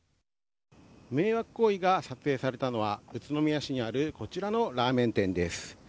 迷惑行為が撮影されたのは宇都宮市にあるこちらのラーメン店です。